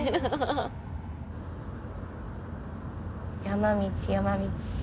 山道山道。